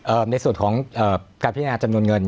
ในส่วนของเอ่อการพิจารณาจำนวนเงิน